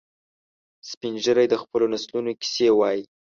سپین ږیری د خپلو نسلونو کیسې وایي